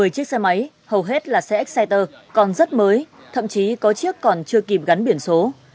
một mươi chiếc xe máy hầu hết là xe exciter còn rất mới thậm chí có chiếc còn chưa kịp gắn biển số